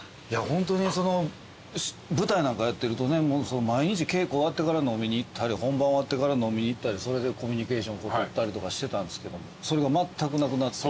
ホントに舞台なんかやってると毎日稽古終わってから飲みに行ったり本番終わってから飲みに行ったりそれでコミュニケーション取ったりとかしてたんですけどもそれがまったくなくなった。